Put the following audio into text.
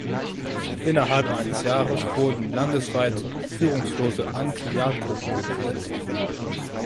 Innerhalb eines Jahres wurden landesweit führungslose Anti-Jagd-Gruppen gebildet.